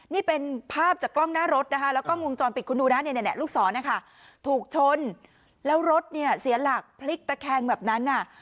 นี่เป็นภาพจากกล้องหน้ารถนะคะแล้วกล้องวงจรปิดคุณดูนะลูกศรนะคะถูกชนแล้วรถเนี่ยเสียหลักพลิกตะแคงแบบนั้นน่ะ